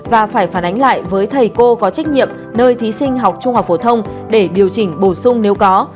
và phải phản ánh lại với thầy cô có trách nhiệm nơi thí sinh học trung học phổ thông để điều chỉnh bổ sung nếu có